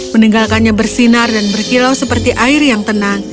meninggalkannya bersinar dan berkilau seperti air yang tenang